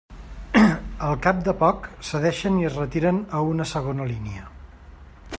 Al cap de poc, cedeixen i es retiren a una segona línia.